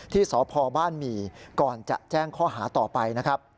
ที่สพบ้านหมี่ก่อนจะแจ้งข้อหาต่อไปนะครับ